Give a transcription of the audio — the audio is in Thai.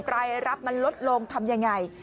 รายรับมันลดลงทำยังไง